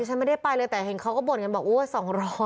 ฉันไม่ได้ไปเลยแต่เห็นเขาก็บ่นกันบอกโอ้